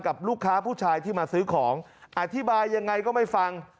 กับลูกค้าผู้ชายที่มาซื้อของอธิบายยังไงก็ไม่ฟัง